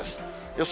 予想